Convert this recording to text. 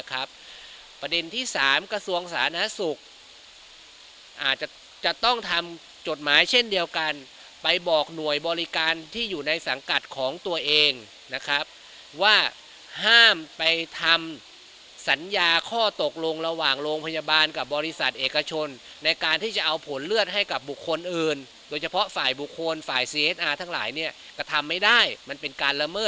ประเด็นที่๓กระทรวงสาธารณสุขอาจจะจะต้องทำจดหมายเช่นเดียวกันไปบอกหน่วยบริการที่อยู่ในสังกัดของตัวเองนะครับว่าห้ามไปทำสัญญาข้อตกลงระหว่างโรงพยาบาลกับบริษัทเอกชนในการที่จะเอาผลเลือดให้กับบุคคลอื่นโดยเฉพาะฝ่ายบุคคลฝ่ายซีเอสอาร์ทั้งหลายเนี่ยกระทำไม่ได้มันเป็นการละเมิ